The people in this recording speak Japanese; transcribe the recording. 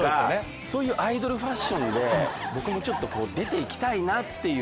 そういうアイドルファッションで僕も出て行きたいなっていう。